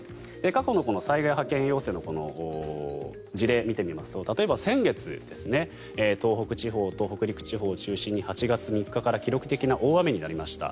過去の災害派遣要請の事例を見てみますと例えば先月東北地方と北陸地方を中心に８月３日から記録的な大雨になりました。